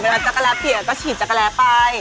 เวลาจักราเปี่ยงก็ฉีดจักราไป